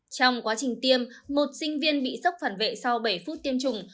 trong quá trình tiêm một sinh viên bị sốc phản vệ sau bảy phút tiêm chủng